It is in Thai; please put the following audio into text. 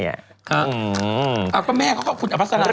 พ้อแม่เขาขอบคุณอภัสลาบ